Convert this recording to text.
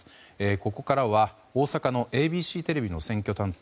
ここからは大阪のＡＢＣテレビの選挙担当